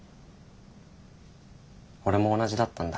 俺も同じだったんだ。